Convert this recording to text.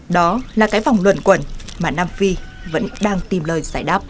đó là cái vòng luận quẩn mà nam phi vẫn đang tìm lời giải đáp